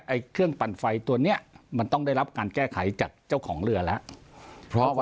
ไอเครื่องปั่นไฟตัวเนี้ยมันต้องได้รับการแก้ไขจากเจ้าของเรือละ